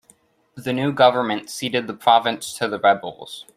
The new government ceded the province to the rebels.